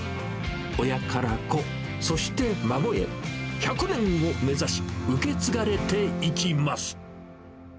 親から子、そして孫へ、１００年を目指し、受け継がれていきます。